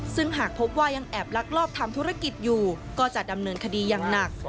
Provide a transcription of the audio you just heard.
ซึ่งหากพบว่ายังแอบลักลอบทำธุรกิจอยู่ก็จะดำเนินคดีอย่างหนัก